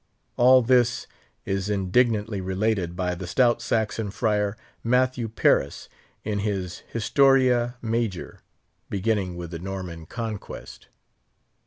All this is indignantly related by the stout Saxon friar, Matthew Paris, in his Historia Major, beginning with the Norman Conquest.